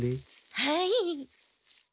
はい。